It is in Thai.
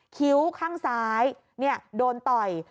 คิ้วข้างซ้ายโดนต่อย